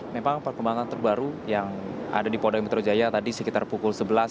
memang perkembangan terbaru yang ada di polda metro jaya tadi sekitar pukul sebelas